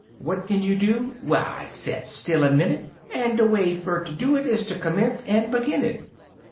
What kin you do P Why, set still a minnit. An" de way fer ter do it is ter commence an' begin it!